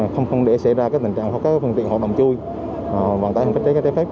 không để xảy ra các tình trạng hoặc các phần tiện họ đồng chui hoặc bàn tải hành pháp cháy cháy phép